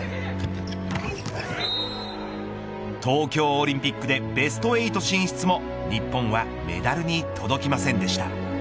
東京オリンピックでベスト８進出も日本はメダルに届きませんでした。